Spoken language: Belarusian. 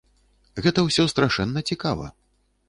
Гэта ўсё страшэнна цікава.